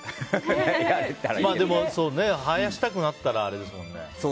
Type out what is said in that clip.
でも、生やしたくなったらあれですもんね。